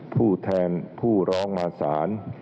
ผู้แทนผู้ร้องมาสาร